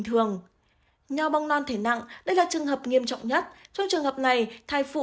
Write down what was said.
thường nhò bong non thể nặng đây là trường hợp nghiêm trọng nhất trong trường hợp này thai phụ